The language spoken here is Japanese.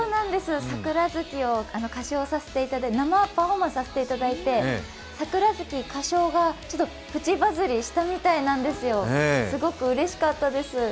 「桜月」を歌唱させていただいて生パフォーマンスさせていただいて、「桜月」歌唱がプチバズリしたそうです、すごくうれしかったです。